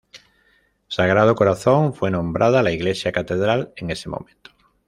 Sagrado Corazón fue nombrada la Iglesia Catedral en ese momento.